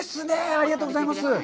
ありがとうございます。